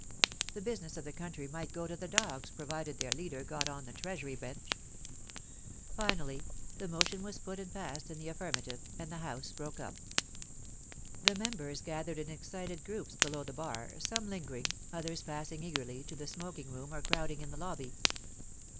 ... The business of the country might go to the dogs provided their leader got on the Treasury bench. ... Finally, the motion was put and passed in the affirmative, and the House broke up. The members gathered in excited groups below the bar, some lingering, others passing eagerly to the smoking room or crowding in the lobby.